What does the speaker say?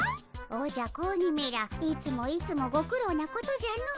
おじゃ子鬼めらいつもいつもご苦労なことじゃの。